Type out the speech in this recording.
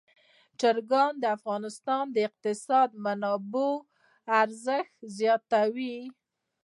چرګان د افغانستان د اقتصادي منابعو ارزښت زیاتوي.